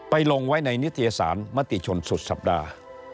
ลงไว้ในนิตยสารมติชนสุดสัปดาห์